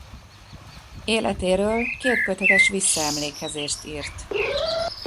Életéről kétkötetes visszaemlékezést irt.